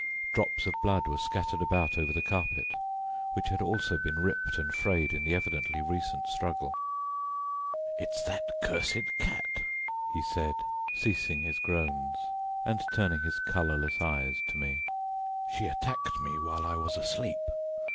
Drops of blood were scattered about over the carpet, which had also been ripped and frayed in the evidently recent struggle. "It's that cursed cat," he said, ceasing his groans, and turning his colourless eyes to me; "she attacked me while I was asleep.